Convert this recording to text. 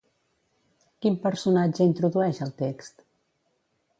Quin personatge introdueix el text?